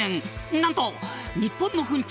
なんと日本の糞虫